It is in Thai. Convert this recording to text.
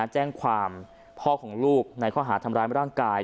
แจ้งความพ่อของลูกในข้อหาทำร้ายร่างกาย